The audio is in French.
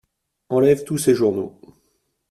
Enlève tous ces journaux.